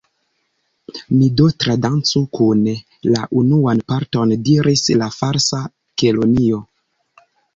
"Ni do tradancu kune la unuan parton," diris la Falsa Kelonio.